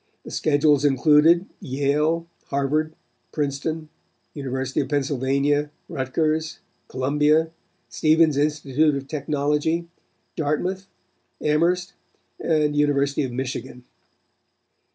The schedules included, Yale, Harvard, Princeton, University of Pennsylvania, Rutgers, Columbia, Stevens Institute of Technology, Dartmouth, Amherst, and University of Michigan.